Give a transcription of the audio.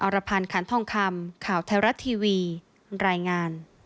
รพันธ์ขันทองคำข่าวไทยรัฐทีวีรายงาน